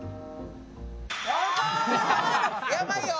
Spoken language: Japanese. やばいよ。